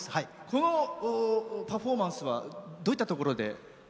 このパフォーマンスはどういったところで？